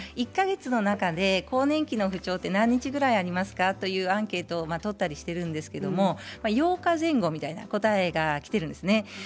１か月の中で、更年期の不調は何日ぐらいありますか？というアンケートを取ったりしているんですけれども８日前後みたいな答えがきているんですね。